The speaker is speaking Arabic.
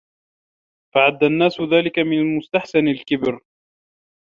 فَعَدَّ النَّاسُ ذَلِكَ مِنْ مُسْتَحْسَنِ الْكِبْرِ